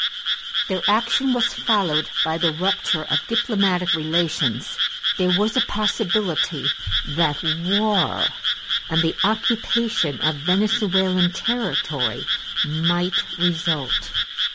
Their action was followed by the rupture of diplomatic relations; there was a possibility that war and the occupation of Venezuelan territory might result.